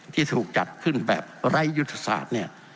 ที่ถูกจัดขึ้นแบบไร้ยุทธศาสตร์เนี่ย